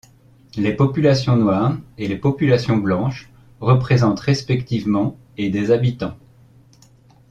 Les populations noires et les populations blanches représentent respectivement et des habitants.